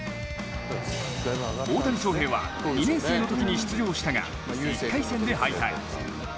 大谷翔平は２年生のときに出場したが１回戦で敗退。